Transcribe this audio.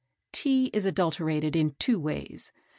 Tea is adulterated in two ways.